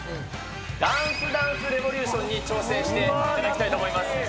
ダンスダンスレボリューションに挑戦していただきたいと思います。